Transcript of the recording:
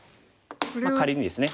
仮にですね。